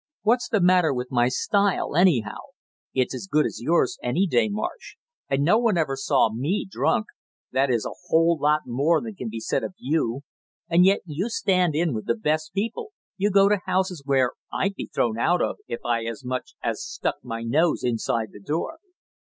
What's the matter with my style, anyhow? It's as good as yours any day, Marsh; and no one ever saw me drunk that is a whole lot more than can be said of you; and yet you stand in with the best people, you go to houses where I'd be thrown out if I as much as stuck my nose inside the door!"